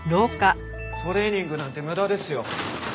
トレーニングなんて無駄ですよ。